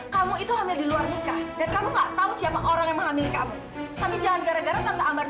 sampai jumpa di video selanjutnya